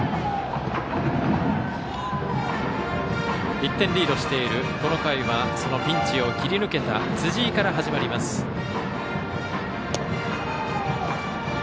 １点リードしているこの回はピンチを切り抜けた辻井から始まります、高知。